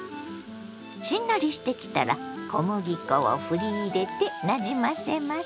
しんなりしてきたら小麦粉をふり入れてなじませます。